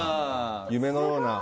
夢のような。